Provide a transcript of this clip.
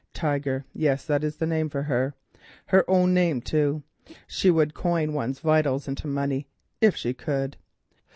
Tiger; yes, that is the name for her, her own name, too. She would coin one's vitals into money if she could.